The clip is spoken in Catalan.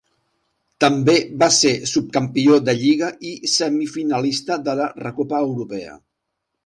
També va ser subcampió de lliga i semifinalista de la Recopa europea.